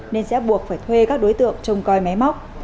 nên sẽ buộc phải thuê các đối tượng trông coi máy móc